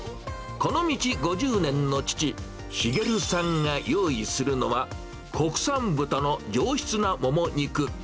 この道５０年の父、茂さんが用意するのは、国産豚の上質なモモ肉。